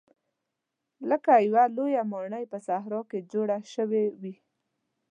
لکه یوه لویه ماڼۍ په صحرا کې جوړه شوې وي.